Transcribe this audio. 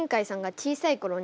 小さい頃ね。